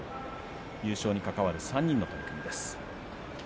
優勝に関わる３人の取組です。